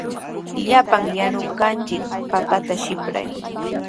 Llapan yanunqanchik papata sipray.